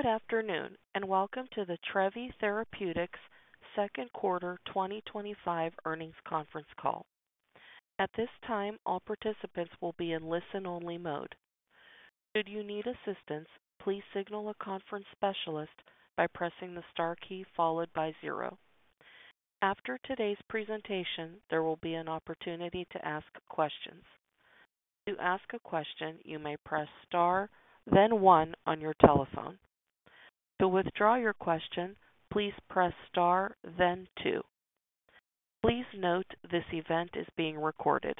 Good afternoon and welcome to the Trevi Therapeutics Second Quarter 2025 Earnings Conference Call. At this time all participants will be in listen-only mode. Should you need assistance, please signal a conference specialist by pressing the star key followed by zero. After today's presentation, there will be an opportunity to ask questions. To ask a question you may press star then one on your telephone. To withdraw your question, please press star then two. Please note this event is being recorded.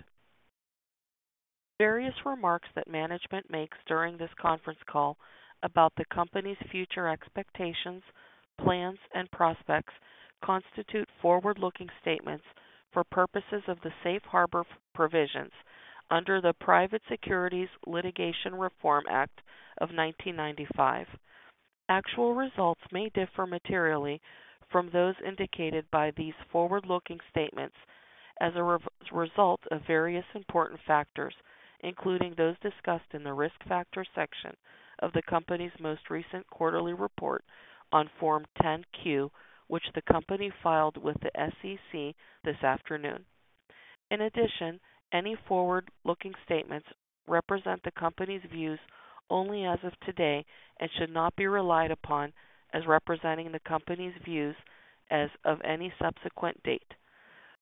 Various remarks that management makes during this conference call about the Company's future expectations, plans, and prospects constitute forward-looking statements for purposes of the Safe Harbor provisions under the Private Securities Litigation Reform Act of 1995. Actual results may differ materially from those indicated by these forward-looking statements as a result of various important factors including those discussed in the Risk Factors section of the Company's most recent quarterly report on Form 10-Q, which the Company filed with the SEC this afternoon. In addition, any forward-looking statements represent the Company's views only as of today and should not be relied upon as representing the Company's views as of any subsequent date.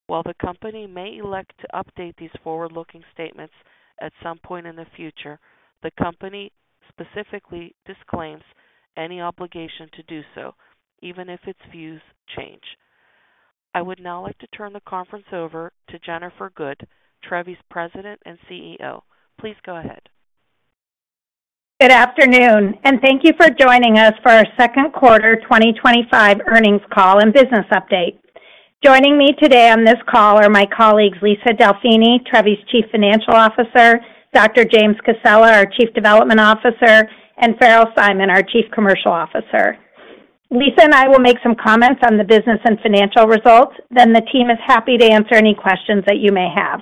While the Company may elect to update these forward-looking statements at some point in the future, the Company specifically disclaims any obligation to do so even if its views change. I would now like to turn the conference over to Jennifer Good, Trevi's President and CEO. Please go ahead. Good afternoon and thank you for joining us for our second quarter 2025 earnings call and business update. Joining me today on this call are my colleagues Lisa Delfini, Trevi's Chief Financial Officer, Dr. James Cassella, our Chief Development Officer, and Farrell Simon, our Chief Commercial Officer. Lisa and I will make some comments on the business and financial results. The team is happy to answer any questions that you may have.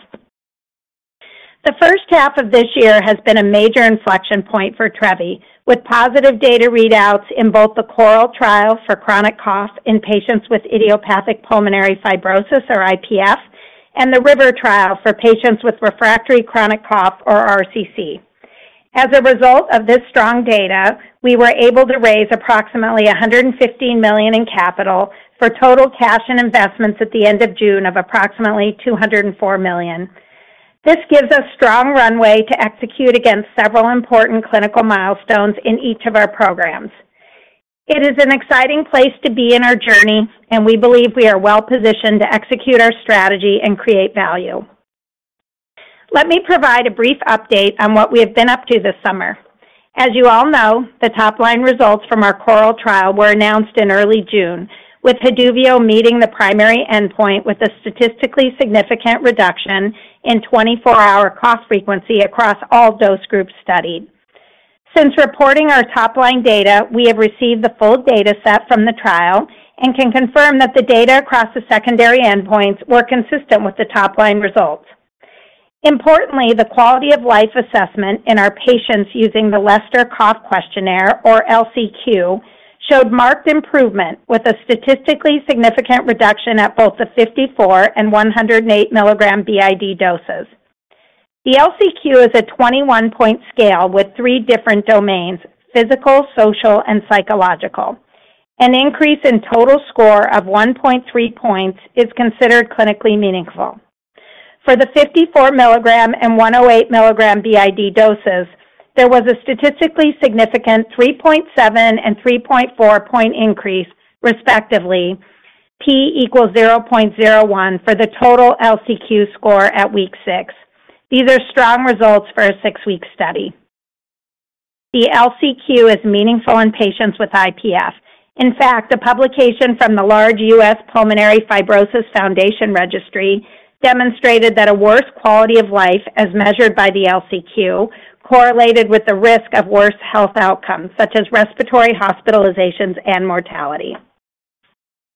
The first half of this year has been a major inflection point for Trevi with positive data readouts in both the CORAL trial for chronic cough in patients with Idiopathic Pulmonary Fibrosis, or IPF, and the RIVER trial for patients with Refractory Chronic Cough or RCC. As a result of this strong data, we were able to raise approximately $115 million in capital for total cash and investments at the end of June of approximately $204 million. This gives us strong runway to execute against several important clinical milestones in each of our programs. It is an exciting place to be in our journey and we believe we are well positioned to execute our strategy and create value. Let me provide a brief update on what we have been up to this summer. As you all know, the top line results from our CORAL trial were announced in early June with Haduvio meeting the primary endpoint with a statistically significant reduction in 24-hour cough frequency across all dose groups studied. Since reporting our top line data, we have received the full data set from the trial and can confirm that the data across the secondary endpoints were consistent with the top line results. Importantly, the quality of life assessment in our patients using the Leicester Cough Questionnaire, or LCQ, showed marked improvement with a statistically significant reduction at both the 54 mg and 108 mg BID doses. The LCQ is a 21-point scale with three different domains: physical, social, and psychological. An increase in total score of 1.3 points is considered clinically meaningful. For the 54 mg and 108 mg BID doses, there was a statistically significant 3.7 and 3.4 point increase, respectively. P equals 0.01 for the total LCQ score at week six. These are strong results for a six-week study. The LCQ is meaningful in patients with IPF. In fact, a publication from the large U.S. Pulmonary Fibrosis Foundation Registry demonstrated that a worse quality of life as measured by the LCQ correlated with the risk of worse health outcomes such as respiratory hospitalizations and mortality.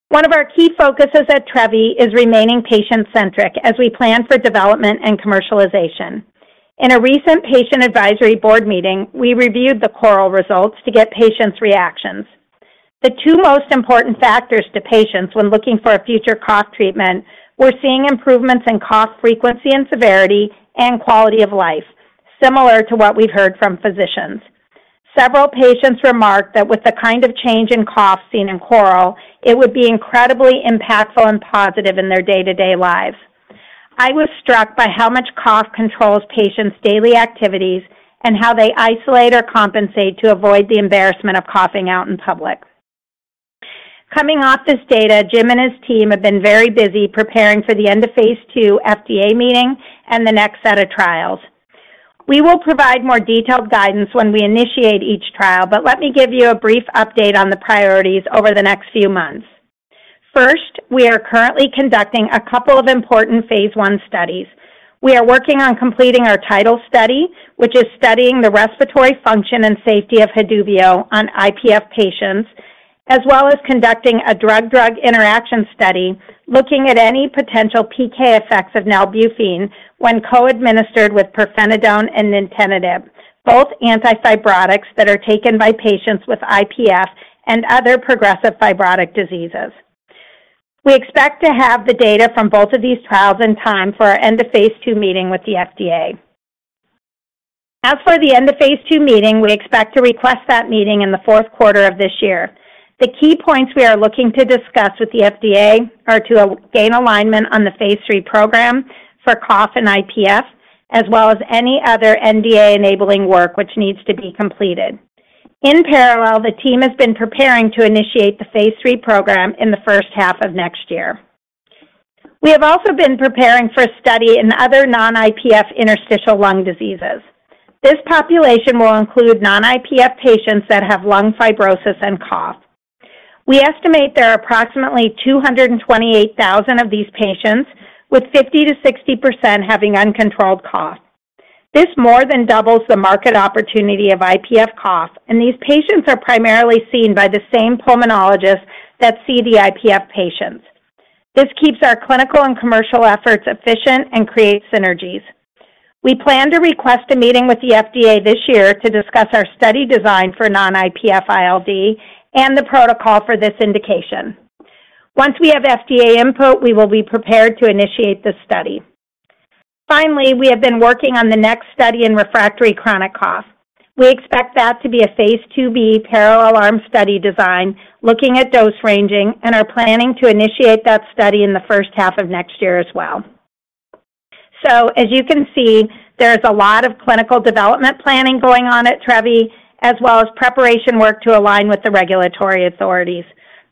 One of our key focuses at Trevi is remaining patient centric as we plan for development and commercialization. In a recent patient advisory board meeting we reviewed the CORAL results to get patients' reactions. The two most important factors to patients when looking for a future cough treatment were seeing improvements in cough frequency and severity and quality of life, similar to what we've heard from physicians. Several patients remarked that with the kind of change in cough seen in CORAL it would be incredibly impactful and positive in their day to day lives. I was struck by how much cough controls patients' daily activities and how they isolate or compensate to avoid the embarrassment of coughing out in public. Coming off this data, Jim and his team have been very busy preparing for the end-of-Phase II FDA meeting and the next set of trials. We will provide more detailed guidance when we initiate each trial, but let me give you a brief update on the priorities over the next few months. First, we are currently conducting a couple of important Phase I studies. We are working on completing our TITL study which is studying the respiratory function and safety of Haduvio on IPF patients as well as conducting a drug-drug interaction study looking at any potential PK effects of nalbuphine when co-administered with pirfenidone and nintedanib, both antifibrotics that are taken by patients with IPF and other progressive fibrotic diseases. We expect to have the data from both of these trials in time for our end-of-Phase II meeting with the FDA. As for the end-of-Phase II meeting, we expect to request that meeting in the fourth quarter of this year. The key points we are looking to discuss with the FDA are to gain alignment on the Phase III program for cough and IPF as well as any other NDA enabling work which needs to be completed, In parallel the team has been preparing to initiate the Phase III program in the first half of next year. We have also been preparing for study in other non-IPF interstitial lung diseases. This population will include non-IPF patients that have lung fibrosis and cough. We estimate there are approximately 228,000 of these patients with 50%-60% having uncontrolled cough. This more than doubles the market opportunity of IPF cough, and these patients are primarily seen by the same pulmonologists that see the IPF patients. This keeps our clinical and commercial efforts efficient and creates synergies. We plan to request a meeting with the FDA this year to discuss our study design for non-IPF ILD and the protocol for this indication. Once we have FDA input, we will be prepared to initiate the study. Finally, we have been working on the next study in refractory chronic cough. We expect that to Phase II-B parallel arm study design looking at dose ranging and are planning to initiate that study in the first half of next year as well. There is a lot of clinical development planning going on at Trevi as well as preparation work to align with the regulatory authorities.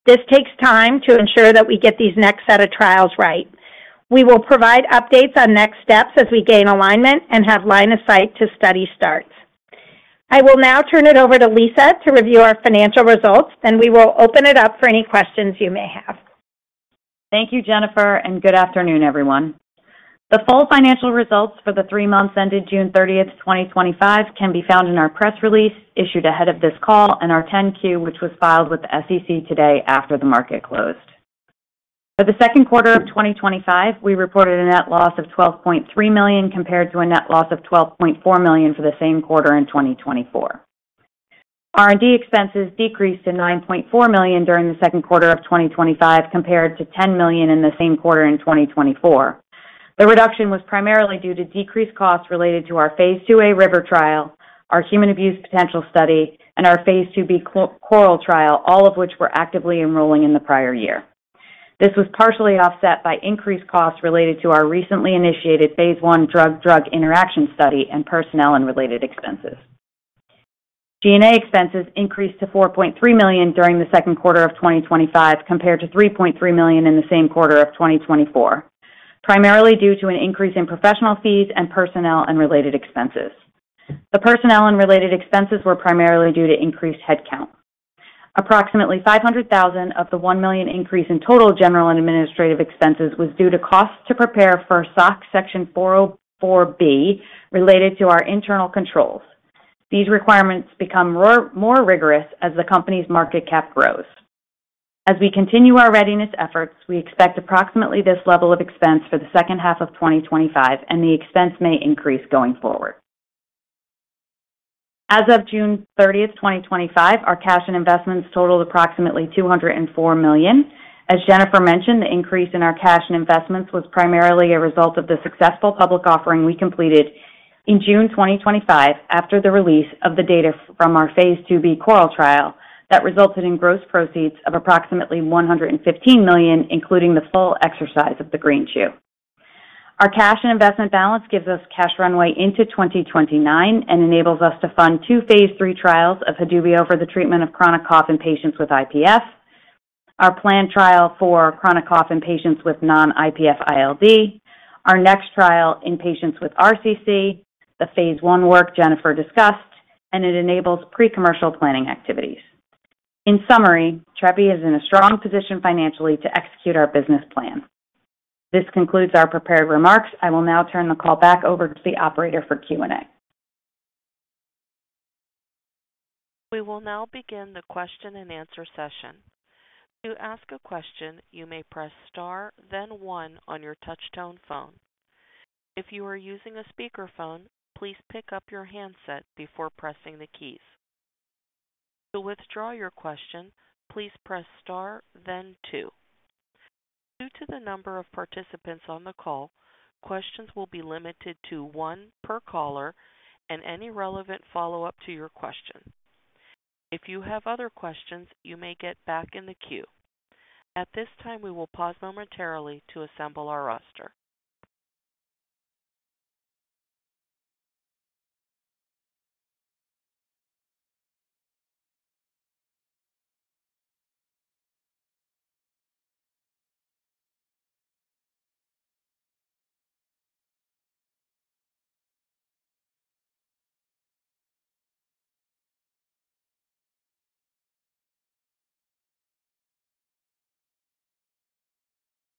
This takes time to ensure that we get these next set of trials right. We will provide updates on next steps as we gain alignment and have line of sight to study starts. I will now turn it over to Lisa to review our financial results, and we will open it up for any questions you may have. Thank you Jennifer and good afternoon everyone. The full financial results for the three months ended June 30th, 2025, can be found in our press release issued ahead of this call and our Form 10-Q, which was filed with the SEC today after the market closed. For the second quarter of 2025, we reported a net loss of $12.3 million compared to a net loss of $12.4 million for the same quarter in 2024. R&D expenses decreased to $9.4 million during the second quarter of 2025 compared to $10 million in the same quarter in 2024. The reduction was primarily due to decreased costs related to Phase II-A RIVER trial, our human abuse potential study, Phase II-B CORAL trial, all of which were actively enrolling in the prior year. This was partially offset by increased costs related to our recently initiated Phase I drug-drug interaction study and personnel and related expenses. G&A expenses increased to $4.3 million during the second quarter of 2025 compared to $3.3 million in the same quarter of 2024, primarily due to an increase in professional fees and personnel and related expenses. The personnel and related expenses were primarily due to increased headcount. Approximately $500,000 of the $1 million increase in total general and administrative expenses was due to costs to prepare for SOX Section IV-B related to our internal controls. These requirements become more rigorous as the company's market cap grows. As we continue our readiness efforts, we expect approximately this level of expense for the second half of 2025 and the expense may increase going forward. As of June 30th, 2025, our cash and investments totaled approximately $204 million. As Jennifer mentioned, the increase in our cash and investments was primarily a result of the successful public offering we completed in June 2025 after the release of the data Phase II-B CORAL trial that resulted in gross proceeds of approximately $115 million, including the full exercise of the green shoe. Our cash and investment balance gives us cash runway into 2029 and enables us to fund two Phase III trials of Haduvio for the treatment of chronic cough in patients with IPF, our planned trial for chronic cough in patients with non-IPF ILD, our next trial in patients with RCC, the Phase I work Jennifer discussed, and it enables pre-commercial planning activities. In summary, Trevi is in a strong position financially to execute our business plan. This concludes our prepared remarks. I will now turn the call back over to the operator for Q&A. We will now begin the question and answer session. To ask a question, you may press star then one on your touchtone phone. If you are using a speakerphone, please pick up your handset before pressing the keys. To withdraw your question, please press star then two. Due to the number of participants on the call, questions will be limited to one per caller and any relevant follow up to your question. If you have other questions, you may get back in the queue. At this time, we will pause momentarily to assemble our roster.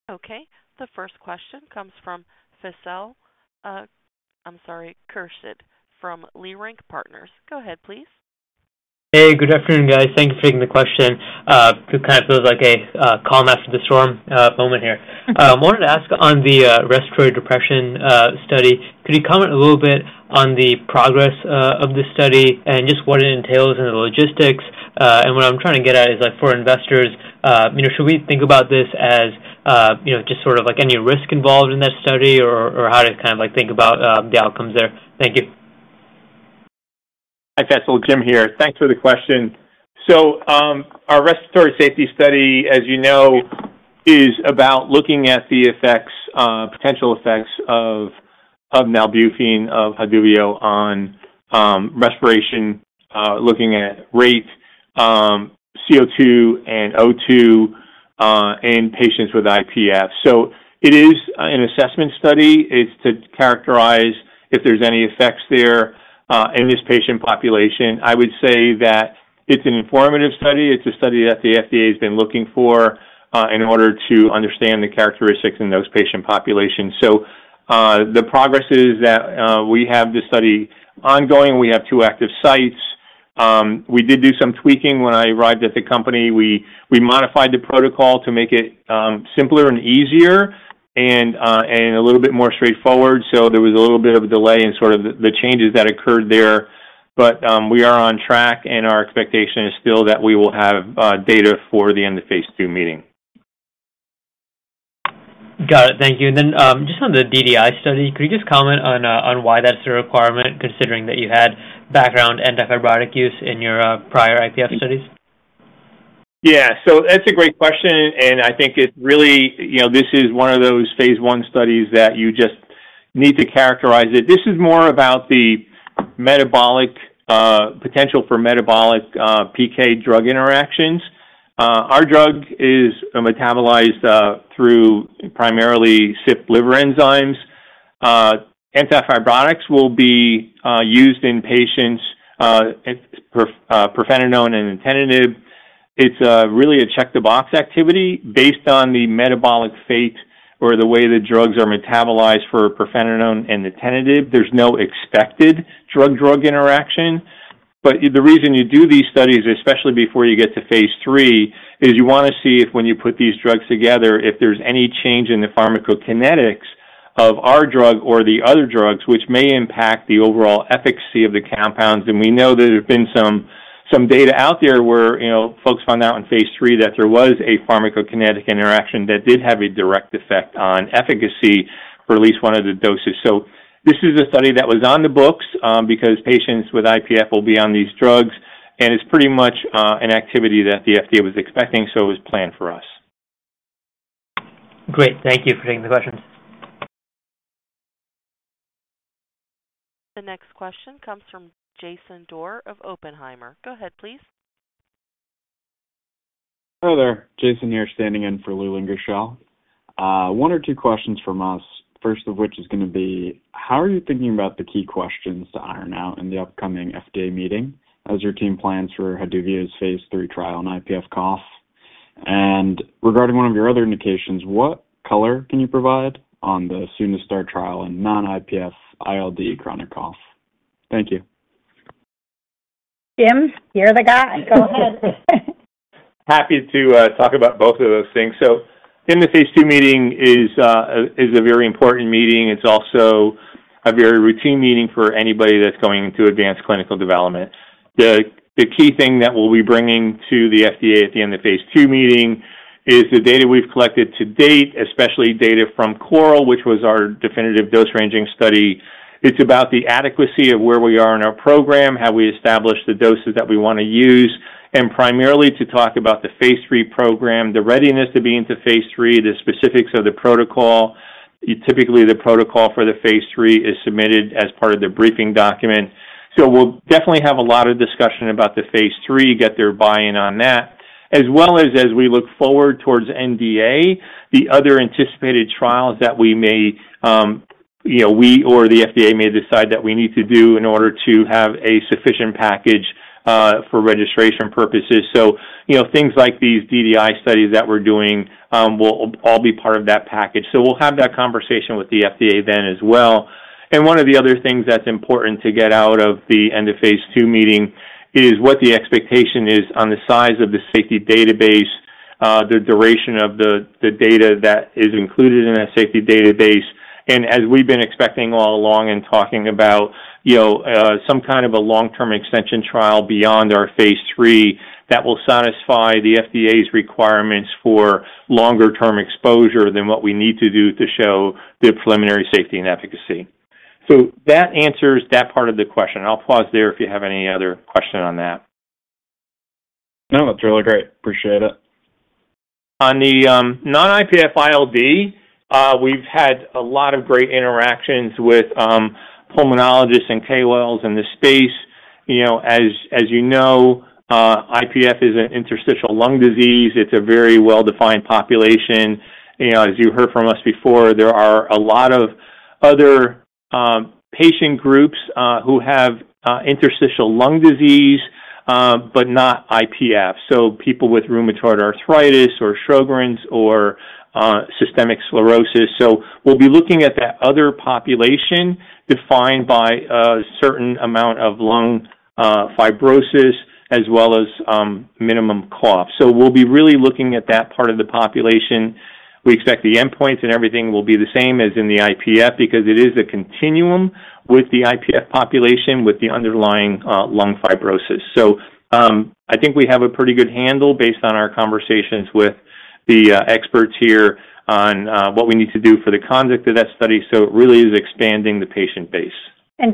Okay, the first question comes from Faisal Khurshid from Leerink Partners. Go ahead, please. Hey, good afternoon, guys. Thank you for taking the question. It kind of feels like a calm after the storm moment here. I wanted to ask on the respiratory depression study. Could you comment a little bit on the progress of this study and just what it entails in the logistics? What I'm trying to get at is for investors, should we think about this as just sort of like any risk involved in that study or how to kind of like think about the outcomes there. Thank you. Hi, Faisal, Jim here. Thanks for the question. Our respiratory safety study, as you know, is about looking at the effects, potential effects of nalbuphine, of Haduvio on respiration, looking at rate, CO2, and O2 in patients with IPF. It is an assessment study. It's to characterize if there's any effects there in this patient population. I would say that it's an informative study. It's a study that the FDA has been looking for in order to understand the characteristics in those patient populations. The progress is that we have this study ongoing. We have two active sites. We did do some tweaking when I arrived at the company. We modified the protocol to make it simpler and easier and a little bit more straightforward. There was a little bit of a delay in the changes that occurred there. We are on track and our expectation is still that we will have data for the end-of-Phase II meeting. Got it, thank you. On the DDI study, could you just comment on why that's a requirement considering that you had background antifibrotic use in your prior IPF studies? Yeah, that's a great question. I think it really, you know, this is one of those Phase I studies that you just need to characterize. This is more about the metabolic, potential for metabolic PK drug interactions. Our drug is metabolized through primarily CYP liver enzymes. Antifibrotics will be used in patients, pirfenidone and nintedanib. It's really a check-the-box activity based on the metabolic fate or the way the drugs are metabolized. For pirfenidone and nintedanib, there's no expected drug-drug interaction. The reason you do these studies, especially before you get to Phase III, is you want to see if, when you put these drugs together, there's any change in the pharmacokinetics of our drug or the other drugs which may impact the overall efficacy of the compounds. We know there's been some data out there where folks found out in Phase III that there was a pharmacokinetic interaction that did have a direct effect on efficacy for one of the doses. This is a study that was on the books because patients with IPF will be on these drugs and it's pretty much an activity that the FDA was expecting. It was planned for us. Great. Thank you for taking the questions. The next question comes from Jason Doerr of Oppenheimer. Go ahead, please. Hi there, Jason here standing in for Leland Gershell. One or two questions from us. First of which is going to be how are you thinking about the key. Questions to iron out in the upcoming. FDA meeting as your team plans for Haduvio's Phase III trial in IPF cough? Regarding one of your other indications. What color can you provide on the. Soon to start trial in non-IPF ILD chronic cough? Thank you. Jim. You're the guy. Go ahead. Happy to talk about both of those things. In the Phase II meeting, it is a very important meeting. It's also a very routine meeting for anybody that's going into advanced clinical development. The key thing that we'll be bringing to the FDA at the end-of-Phase II meeting is the data we've collected to date, especially data from CORAL, which was our definitive dose ranging study. It's about the adequacy of where we are in our program, how we establish the doses that we want to use, and primarily to talk about the Phase III program, the readiness to be into Phase III, the specifics of the protocol. Typically, the protocol for the Phase III is submitted as part of the briefing document. We'll definitely have a lot of discussion about the Phase III, get their buy-in on that as well as, as we look forward towards NDA, the other anticipated trials that we may, you know, we or the FDA may decide that we need to do in order to have a sufficient package for registration purposes. Things like these DDI studies that we're doing will all be part of that package. We'll have that conversation with the FDA then as well. One of the other things that's important to get out of the end-of-Phase II meeting is what the expectation is on the size of the safety database, the duration of the data that is included in that safety database, and as we've been expecting all along, and talking about, you know, some kind of a long-term extension trial beyond our Phase III that will satisfy the FDA's requirements for longer-term exposure than what we need to do to show the preliminary safety and efficacy. That answers that part of the question. I'll pause there if you have any other question on that. No, that's really great. Appreciate it. On the non-IPF ILD, we've had a lot of great interactions with pulmonologists and KOLs in the space. As you know, IPF is an interstitial lung disease. It's a very well-defined population. As you heard from us before, there are a lot of other patient groups who have interstitial lung disease, but not IPF. People with rheumatoid arthritis or Sjogren's or systemic sclerosis. We'll be looking at that other population defined by a certain amount of lung fibrosis as well as minimum cough. We'll be really looking at that part of the population. We expect the endpoints and everything will be the same as in the IPF because it is a continuum with the IPF population with the underlying lung fibrosis. I think we have a pretty good handle based on our conversations with the experts here on what we need to do for the conduct of that study. It really is expanding the patient base.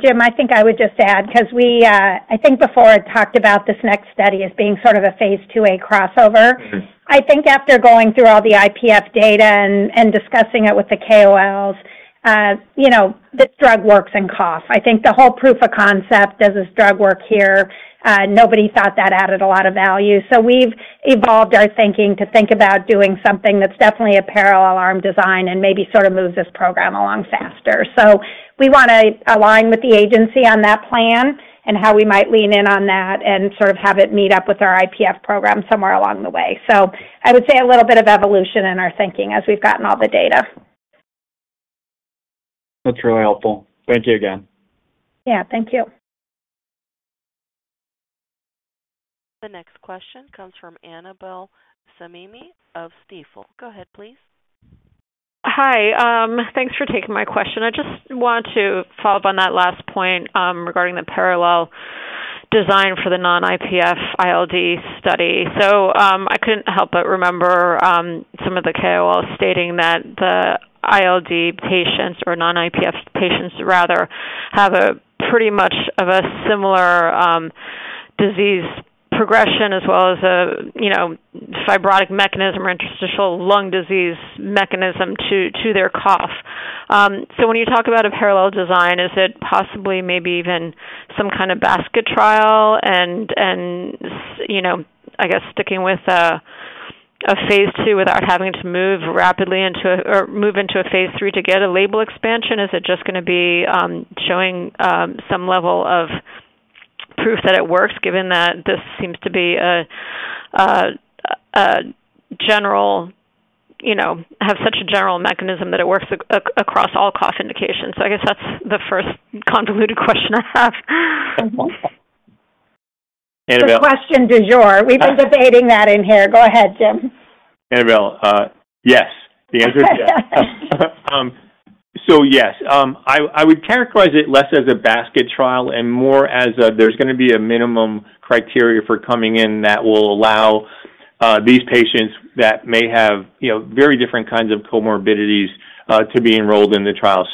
Jim, I think I would just add because we, I think before I talked about this next study as being sort of a Phase II, a crossover. I think after going through all the IPF data and discussing it with the KOLs, you know, the drug works in cough. I think the whole proof of concept. Does this drug work here, nobody thought that added a lot of value. We have evolved our thinking to think about doing something that's definitely a parallel arm design and maybe sort of moves this program along faster. We want to align with the agency on that plan and how we might lean in on that and sort of have it meet up with our IPF program somewhere along the way. I would say a little bit of evolution in our thinking as we've gotten all the data. That's really helpful. Thank you again. Yeah, thank you. The next question comes from Annabel Samimy of Stifel. Go ahead, please. Hi, thanks for taking my question. I just want to follow up on that last point regarding the parallel design for the non-IPF ILD study. I couldn't help but remember some of the KOL stating that the ILD patients, or non-IPF patients rather, have pretty much a similar disease progression as well as a fibrotic mechanism or interstitial lung disease mechanism to their cough. When you talk about a parallel design, is it possibly maybe even some kind of basket trial? I guess sticking with a Phase II without having to move rapidly into or move into a Phase III to get a label expansion, is it just going to be showing some level of proof that it works, given that this seems to have such a general mechanism that it works across all cough indications? I guess that's the first convoluted question I have. Question du jour. We've been debating that in here. Go ahead, Jim. Annabel? Yes, the answer is yes. Yes, I would characterize it less as a basket trial and more as there's going to be a minimum criteria for coming in that will allow these patients that may have very different kinds of comorbidities to be enrolled in the trial.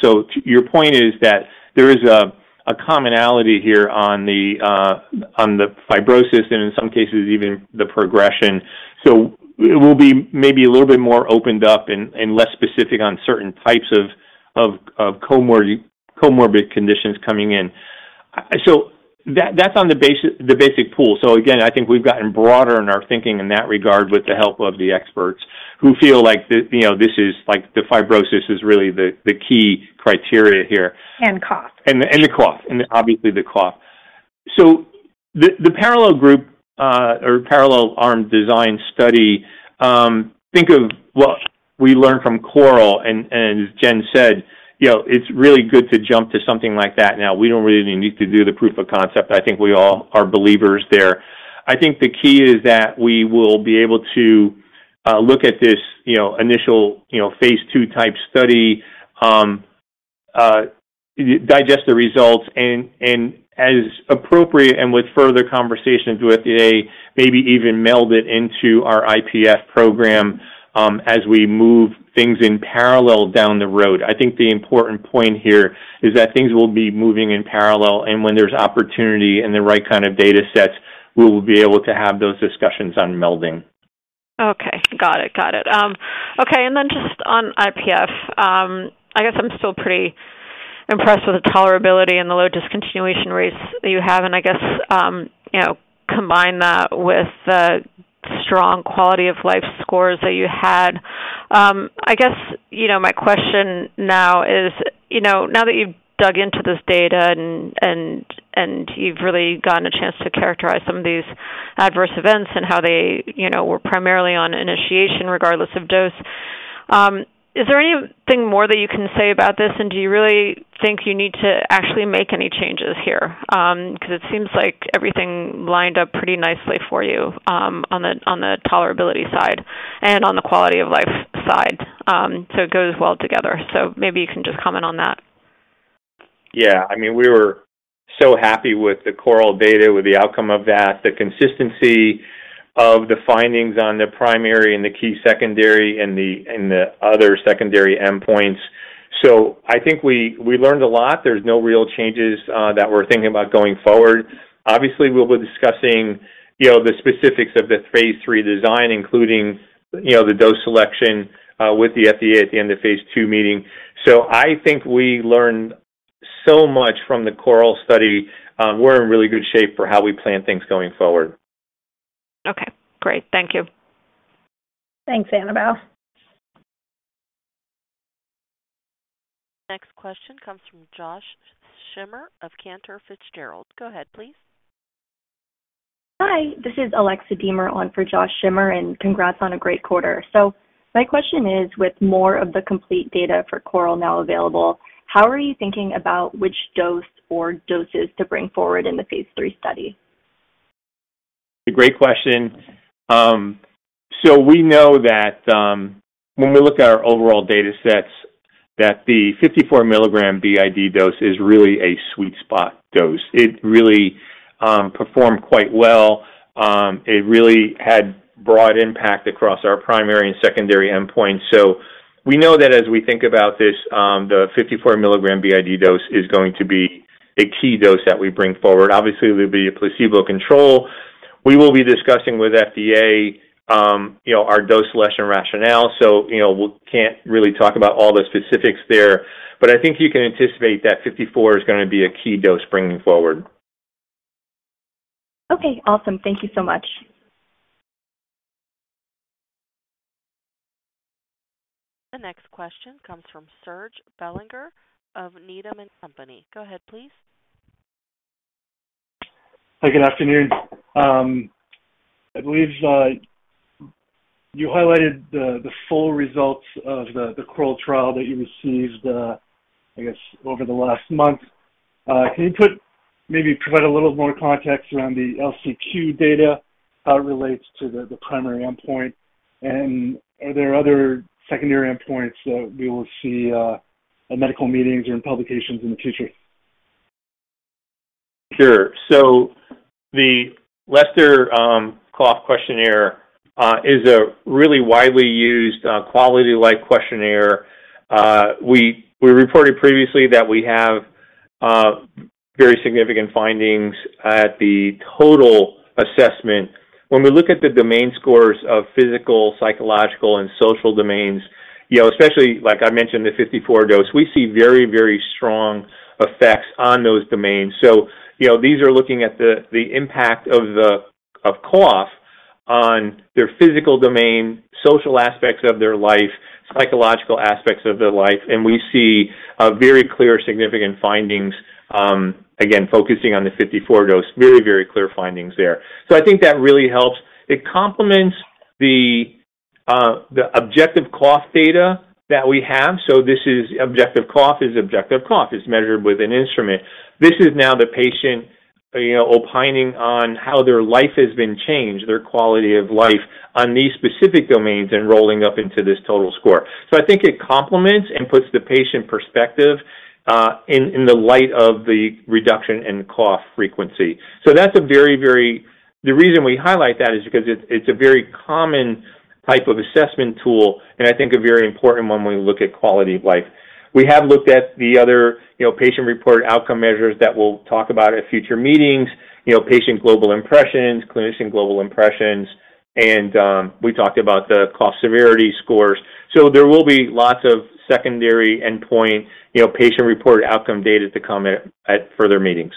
Your point is that there is a commonality here on the fibrosis and in some cases even the progression. It will be maybe a little bit more opened up and less specific on certain types of comorbid conditions coming in. That's on the basic pool. I think we've gotten broader in our thinking in that regard with the help of the experts who feel like the fibrosis is really the key criteria here. And cough. And the cough. Obviously the cough. The parallel group or parallel arm design study, think of what we learned from CORAL. Jen said it's really good to jump to something like that now, we don't really need to do the proof of concept. I think we all are believers there. The key is that we will be able to look at this initial Phase II type study, digest the results and as appropriate, and with further conversations with the FDA, maybe even meld it into our IPF program as we move things in parallel down the road. The important point here is that things will be moving in parallel and when there's opportunity and the right kind of data sets, we will be able to have those discussions on melding. Okay, got it, got it. Okay. Just on IPF, I guess I'm still pretty impressed with the tolerability and the low discontinuation rates that you have, and I guess combine that with the strong quality of life scores that you had, my question now is, now that you've dug into this data and you've really gotten a chance to characterize some of these adverse events and how they were primarily on initiation, regardless of dose, is there anything more that you can say about this? Do you really think you need to actually make any changes here? It seems like everything lined up pretty nicely for you on the tolerability side and on the quality of life side. It goes well together. Maybe you can just comment on that. Yeah, I mean, we were so happy with the CORAL data, with the outcome of that, the consistency of the findings on the primary and the key secondary and the other secondary endpoints. I think we learned a lot. There's no real changes that we're thinking about going forward. Obviously, we'll be discussing the specifics of the Phase III design, including the dose selection, with the FDA at the end-of-Phase II meeting. I think we learned so much from the CORAL study. We're in really good shape for how we plan things going forward. Okay, great. Thank you. Thanks, Annabelle. Next question comes from Josh Schimmer of Cantor Fitzgerald. Go ahead, please. Hi, this is Alexa Deamer on for Josh Shimmer. Congratulations on a great quarter. My question is, with more of. The complete data for CORAL now available, how are you thinking about which dose or doses to bring forward in the Phase III study? Great question. We know that when we look at our overall data sets that the 54 mg BID dose is really a sweet spot dose. It really performed quite well and had broad impact across our primary and secondary endpoints. We know that as we think about this, the 54 mg BID dose is going to be the key dose that we bring forward. Obviously, there will be a placebo control. We will be discussing with the FDA our dose selection rationale. We can't really talk about all the specifics there, but I think you can anticipate that 54 mg is going to be a key dose bringing forward. Okay, awesome. Thank you so much. The next question comes from Serge Belanger of Needham & Company. Go ahead, please. Hi, good afternoon. I believe you highlighted the full results of the CORAL trial that you received, I guess, over the last month. Can you maybe provide a little more context around the LCQ data, how it relates to the primary endpoint? Are there other secondary endpoints that we will see at medical meetings or in publications in the future? Sure. The Leicester Cough Questionnaire is a really widely used quality of life questionnaire. We reported previously that we have very significant findings at the total assessment. When we look at the domain scores of physical, psychological, and social domains, especially, like I mentioned, the 54 mg dose, we see very, very strong effects on those domains. These are looking at the impact of cough on their physical domain, social aspects of their life, psychological aspects of their life. We see very clear significant findings, again focusing on the 54 mg dose. Very, very clear findings there. I think that really helps. It complements the objective cough data that we have. Objective cough is objective cough. It's measured with an instrument. This is now the patient, you know, opining on how their life has been changed, their quality of life on these specific domains and rolling up into this total score. I think it complements and puts the patient perspective in the light of the reduction in cough frequency. The reason we highlight that is because it's a very common type of assessment tool and I think a very important one when we look at quality of life. We have looked at the other, you know, patient reported outcome measures that we'll talk about at future meetings. You know, patient global impressions, clinician global impressions. We talked about the cough severity scores. There will be lots of secondary endpoint, you know, patient reported outcome data to come in at further meetings.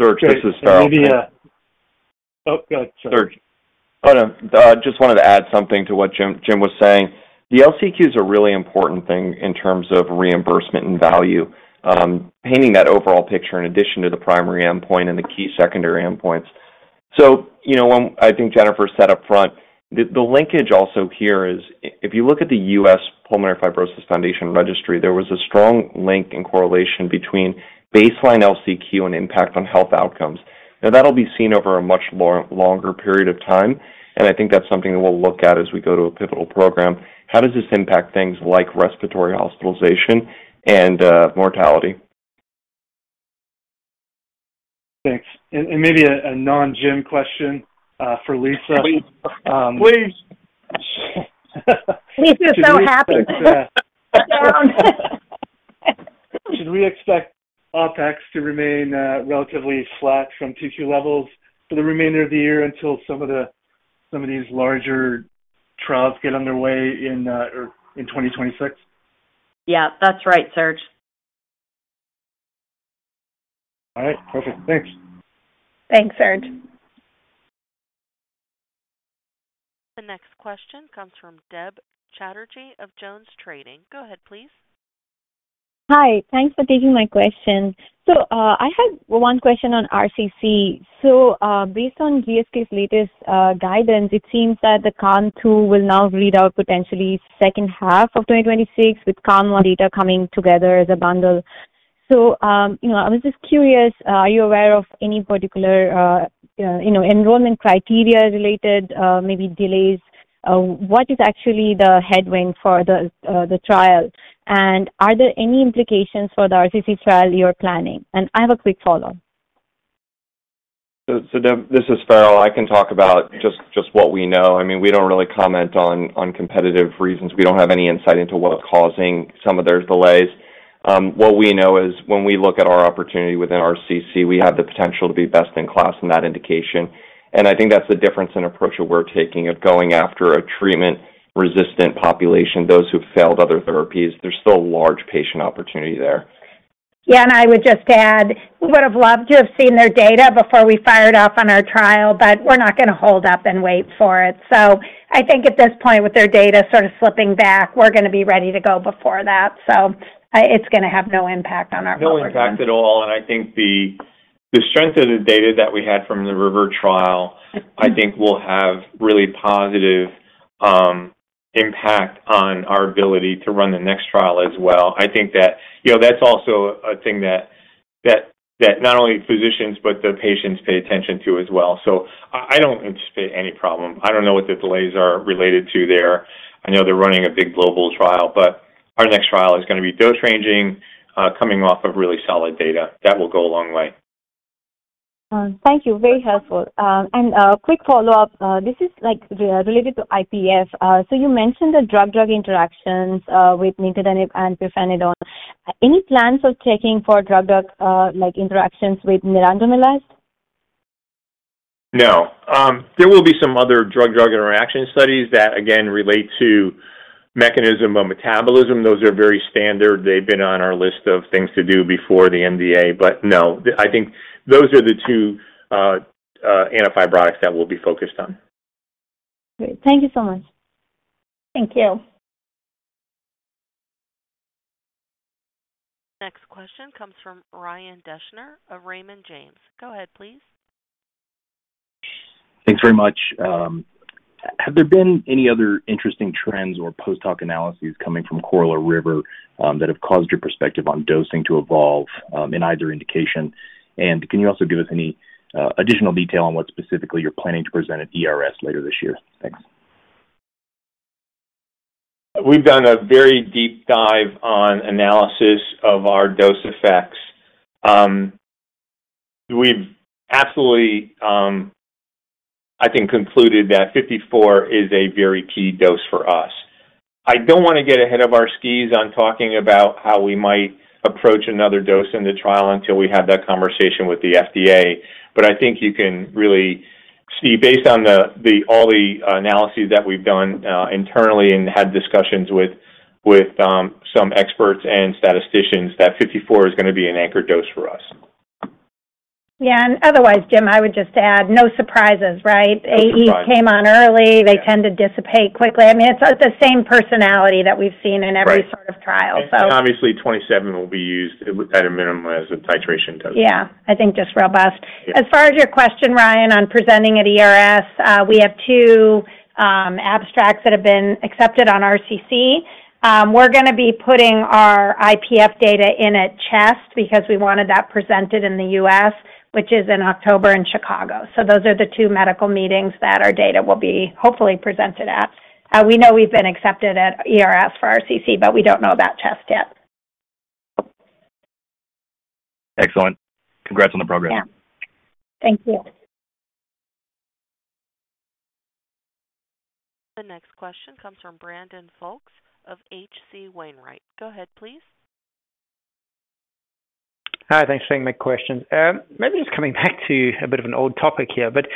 Serge, this is Farrell. Go ahead Farrell. Serge. I just wanted to add something to what Jim was saying. The LCQ is a really important thing in terms of reimbursement and value, painting that overall picture in addition to the primary endpoint and the key secondary endpoints. I think Jennifer said up front the linkage also here is. If you look at the U.S. Pulmonary Fibrosis Foundation Registry, there was a strong link and correlation between baseline LCQ and impact on health outcomes. That'll be seen over a much longer period of time, and I think that's something that we'll look at as we go to a pivotal program. How does this impact things like respiratory hospitalization and mortality? Thanks. Maybe a non-Jim question for Lisa. Please. Should we expect OpEx to remain relatively flat from these levels for the remainder of the year until some of these larger trials get underway in 2026? Yeah, that's right, Serge. All right, perfect. Thanks. Thanks, Serge. The next question comes from Deb Chatterjee of Jones Trading. Go ahead, please. Hi, thanks for taking my question. I have one question on RCC. Based on GST's latest guidance, it seems that the Kan II will now read out potentially second half of 2026 with Kan I data coming together as a bundle. I was just curious, are you aware of any particular enrollment criteria related delays? What is actually the headwind for the trial, and are there any implications for the RCC trial you're planning? I have a quick follow up. Deb, this is Farrell. I can talk about just what we know. I mean, we don't really comment on competitive reasons. We don't have any insight into what's causing some of those delays. What we know is when we look at our opportunity within RCC, we have the potential to be best in class in that indication. I think that's the difference in approach that we're taking of going after a treatment resistant population, those who failed other therapies. There's still a large patient opportunity there. Yeah. I would just add we would have loved to have seen their data before we fired off on our trial, but we're not going to hold up and wait for it. I think at this point, with their data sort of slipping back, we're going to be ready to go before that. It's going to have no impact on our. No impact at all. I think the strength of the data that we had from the RIVER trial will have really positive impact on our ability to run the next trial as well. I think that's also a thing that not only physicians but the patients pay attention to as well. I don't anticipate any problem. I don't know what the delays are related to there. I know they're running a big global trial, but our next trial is going to be dose ranging coming off of really solid data that will go a long way. Thank you. Very helpful and quick follow up. This is like related to IPF. You mentioned the drug-drug interactions with nintedanib and pirfenidone. Any plans for checking for drug-like interactions with nerandomylase? No. There will be some other drug-drug interaction studies that again relate to mechanism of metabolism. Those are very standard. They've been on our list of things to do before the NDA. No, I think those are the two antifibrotics that we'll be focused on. Thank you so much. Thank you. Next question comes from Ryan Deschner of Raymond James. Go ahead, please. Thanks very much. Have there been any other interesting trends or post hoc analyses coming from CORAL? RIVER trial that have caused your perspective on dosing to evolve in either indication? Can you also give us any? Additional detail on what specifically you're planning. To present at ERS later this year? Thanks. We've done a very deep dive on analysis of our dose effects. We've absolutely, I think, concluded that 54 mg is a very key dose for us. I don't want to get ahead of our skis on talking about how we might approach another dose in the trial until we have that conversation with the FDA. I think you can really see, based on all the analyses that we've done internally and had discussions with some experts and statisticians, that 54 mg is going to be an anchored dose for us. Yeah. Otherwise, Jim, I would just add no surprises, right? AEs came on early, they tend to dissipate quickly. It's the same personality that we've seen in every sort of trial. 27 mg will be used at a minimum as a titration. Yeah, I think just robust. As far as your question, Ryan, on presenting at ERS, we have two abstracts that have been accepted on RCC. We're going to be putting our IPF data in at CHEST because we wanted that presented in the U.S., which is in October in Chicago. Those are the two medical meetings that our data will be hopefully presented at. We know we've been accepted at ERS for RCC, but we don't know about CHEST yet. Excellent. Congrats on the progress. Thank you. The next question comes from Brandon Foulks of H.C. Wainwright, go ahead, please. Hi, thanks for taking my question. Maybe just coming back to a bit of an old topic here, but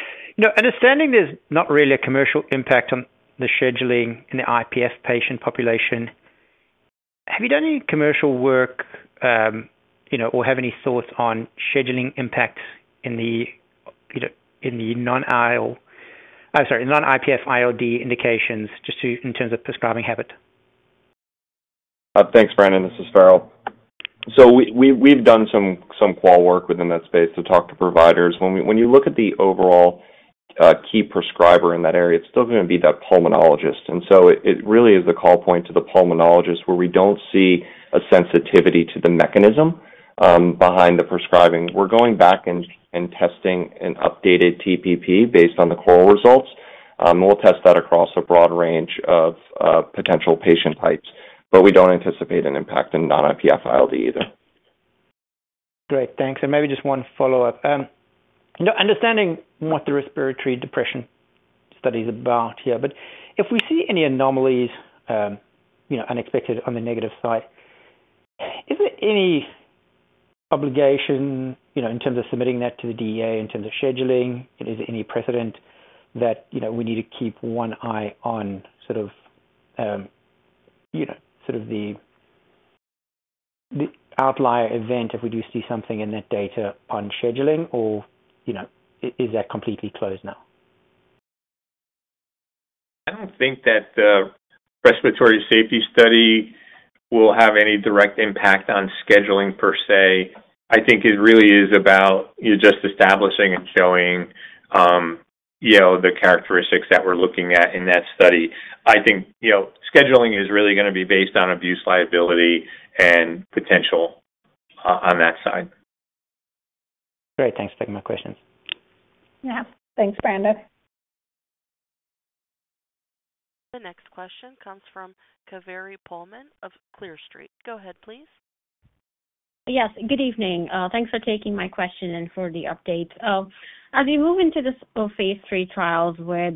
understanding there's not really a commercial impact on the scheduling in the IPF patient population. Have you done any commercial work or have any thoughts on scheduling impact in the non-IPF ILD indications just in terms of prescribing habit? Thanks, Brandon. This is Farrell. We have done some qual work within that space to talk to providers. When you look at the overall key. Prescriber in that area, it's still going to be that pulmonologist. It really is the call point to the pulmonologist where we don't see a sensitivity to the mechanism behind the prescribing. We're going back and testing an updated TPP based on the CORAL results. We'll test that across a broad range of potential patient types. We don't anticipate an impact in non-IPF ILD either. Great, thanks. Maybe just one follow up understanding what the respiratory depression study is about here. If we see any anomalies, unexpected on the negative side, is there any obligation in terms of submitting that to the DEA? In terms of scheduling, is there any precedent that we need to keep one eye on, sort of the outlier event if we do see something in that data on scheduling, or is that completely closed now. I don't think that the respiratory safety study will have any direct impact on scheduling per se. I think it really is about just establishing and showing the characteristics that we're looking at in that study. I think scheduling is really going to be based on abuse, liability, and potential on that side. Great. Thanks for taking my questions. Yeah, thanks, Brandon. The next question comes from Kaveri Pullman of Clear Street. Go ahead, please. Yes, good evening. Thanks for taking my questionand for the update. As you move into this Phase III trials with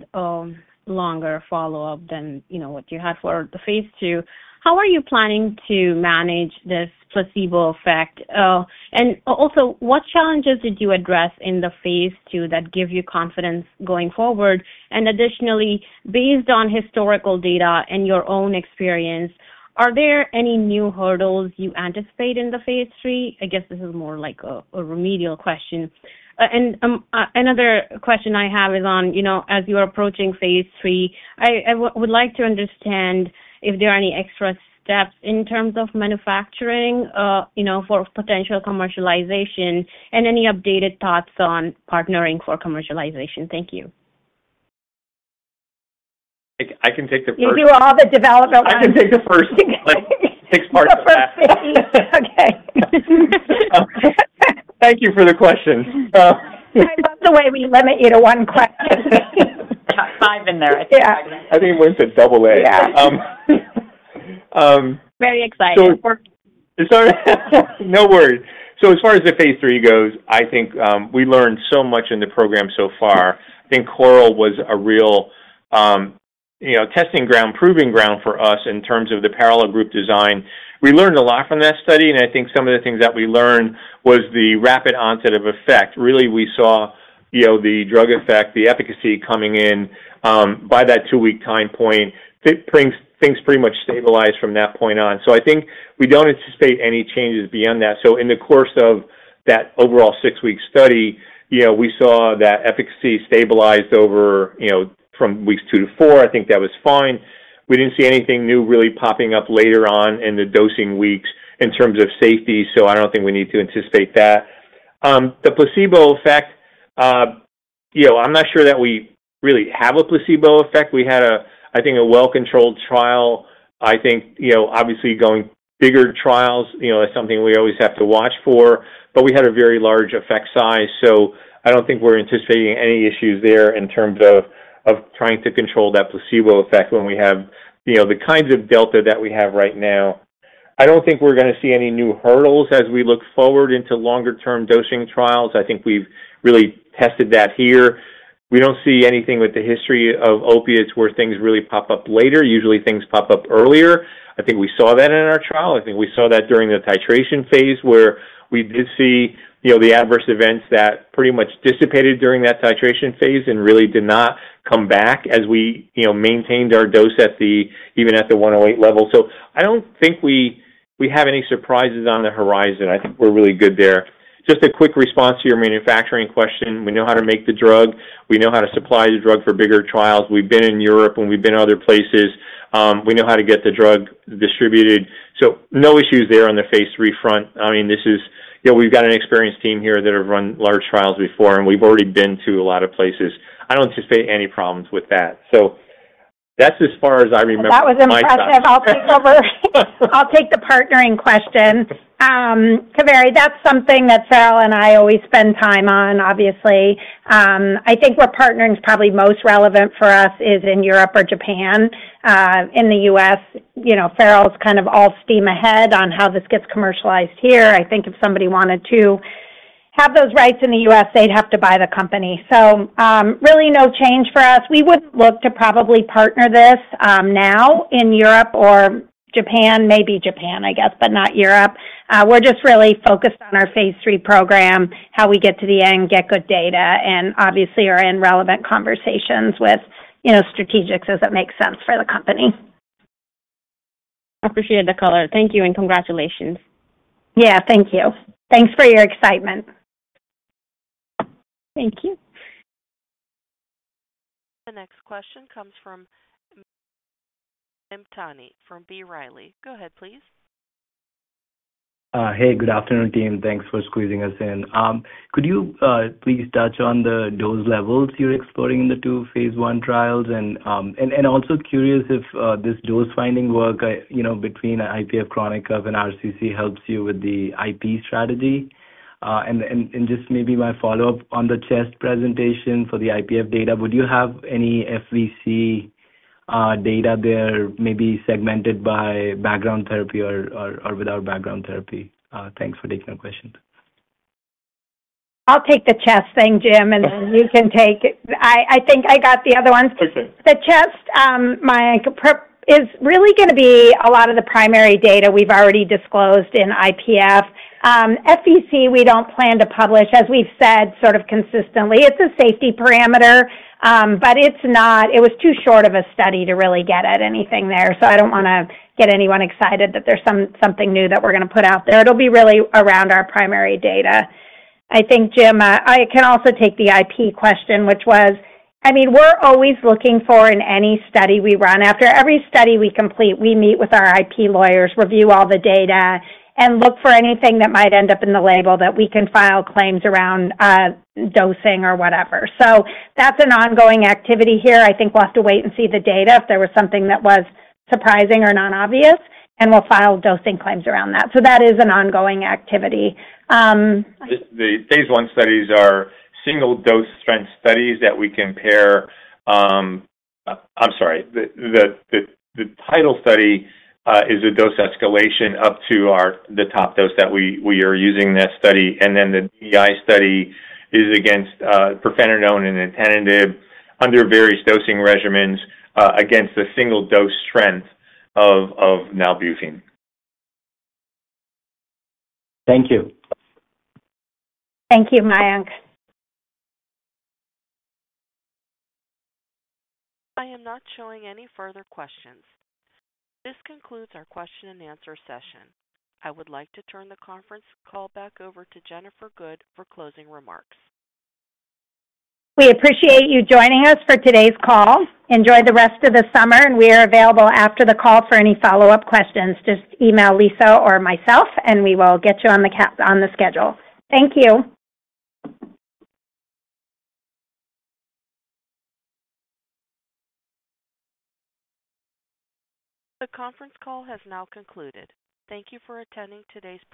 longer follow up than what you had for the Phase II, how are you planning to manage this placebo effect? Also, what challenges did you address in the Phase II that give you confidence going forward? Additionally, based on historical data and your own experience, are there any new hurdles you anticipate in the Phase III? I guess this is more like a remedial question. Another question I have is on, as you are approaching Phase III, I would like to understand if there are any extra steps in terms of manufacturing for potential commercialization and any updated thoughts on partnering for commercialization. Thank you. I can take the first six parts. You do all the development. Thank you for the question. The way we limit you to one. There's five in there. I think it went to double. Yeah. Very exciting. No worries. As far as the Phase III goes, I think we learned so much in the program so far. I think CORAL was a real testing ground, proving ground for us in terms of the parallel group design. We learned a lot from that study and I think some of the things that we learned was the rapid onset of effect, really. We saw the drug effect, the efficacy coming in by that two week time point. Things pretty much stabilized from that point on. I think we don't anticipate any changes beyond that. In the course of that overall six week study, we saw that efficacy stabilized over, from weeks two to four. I think that was fine. We didn't see anything new really popping up later on in the dosing weeks in terms of safety. I don't think we need to anticipate that the placebo effect, I'm not sure that we really have a placebo effect. We had a, I think a well controlled trial. Obviously, going bigger trials is something we always have to watch for. We had a very large effect size. I don't think we're anticipating any issues there in terms of trying to control that placebo effect. When we have the kinds of delta that we have right now, I don't think we're going to see any new hurdles as we look forward into longer term dosing trials. I think we've really tested that here. We don't see anything with the history of opiates where things really pop up later. Usually things pop up earlier. I think we saw that in our trial. I think we saw that during the titration phase where we did see the adverse events that pretty much dissipated during that titration phase and really did not come back as we maintained our dose at the, even at the 108 level. I don't think we have any surprises on the horizon. I think we're really good there. Just a quick response to your manufacturing question. We know how to make the drug, we know how to supply the drug for bigger trials. We've been in Europe and we've been other places. We know how to get the drug distributed. No issues there on the Phase III front. This is, we've got an experienced team here that have run large trials before and we've already been to a lot of places. I don't anticipate any problems with that. That's as far as I remember. That was impressive. I'll take over. I'll take the partnering question. That's something that Farrell and I always spend time on. Obviously, I think what partnering is probably most relevant for us is in Europe or Japan. In the U.S., you know, Farrell's kind of all steam ahead on how this gets commercialized here. I think if somebody wanted to have those rights in the U.S., they'd have to buy the company. Really, no change for us. We would look to probably partner this now in Europe or Japan. Maybe Japan, I guess, but not Europe. We're just really focused on our Phase III program, how we get to the end, get good data, and obviously are in relevant conversations with, you know, strategics as it makes sense for the company. Appreciate the color. Thank you, and congratulations. Thank you. Thanks for your excitement. Thank you. The next question comes from Mayank Mamtani from B. Riley. Go ahead, please. Hey, good afternoon, team. Thanks for squeezing us in. Could you please touch on the dose levels you're exploring in the two Phase I trials? Also, curious if this dose finding work between IPF chronic cough and RCC helps you with the IP strategy. Just maybe my follow up on the CHEST presentation for the IPF data. Would you have any FVC data? There may be segmented by background therapy or without background therapy. Thanks for taking the question. I'll take the CHEST thing, Jim. You can take. I think I got the other ones. It's okay. CHEST is really going to be a lot of the primary data we've already disclosed in IPF. We don't plan to publish. As we've said sort of consistently, it's a safety parameter, but it's not. It was too short of a study to really get at anything there. I don't want to get anyone excited that there's something new that we're going to put out there. It'll be really around our primary data. I think Jim, I can also take the IP question, which was, I mean we're always looking for in any study we run. After every study we complete, we meet with our IP lawyers, review all the data, and look for anything that might end up in the label that we can file claims around, dosing or whatever. That's an ongoing activity here. I think we'll have to wait. See the data if there was something that was surprising or non-obvious, and we'll file dosing claims around that. That is an ongoing activity. The Phase I studies are single dose strength studies that we compare. The title study is a dose escalation up to the top dose that we are using in that study. The EI study is against pirfenidone and nintedanib under various dosing regimens against a single dose strength of nalbuphine. Thank you. Thank you, Mayank. I am not showing any further questions. This concludes our question and answer session. I would like to turn the conference call back over to Jennifer Good for closing remarks. We appreciate you joining us for today's call. Enjoy the rest of the summer. We are available after the call for any follow up questions. Just email Lisa or myself and we will get you on the schedule. Thank you. The conference call has now concluded. Thank you for attending today's presentation.